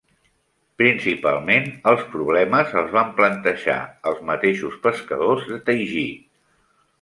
Principalment els problemes els van plantejar els mateixos pescadors de Taiji.